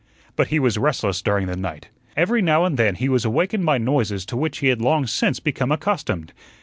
But he was restless during the night. Every now and then he was awakened by noises to which he had long since become accustomed.